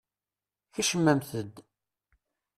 Kecmemt-d!